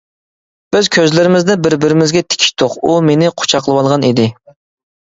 بىز كۆزلىرىمىزنى بىر-بىرىمىزگە تىكىشتۇق، ئۇ مېنى قۇچاقلىۋالغان ئىدى.